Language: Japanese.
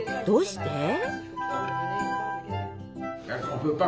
どうして？